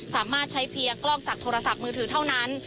สามารถใช้เพียงกล้องจากโทรศัพท์มือถือเท่านั้น